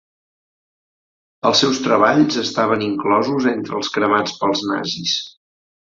Els seus treballs estaven inclosos entre els cremats pels nazis.